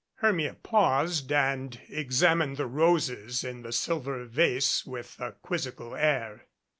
Hermia paused and examined the roses in the silver vase with a quizzical air.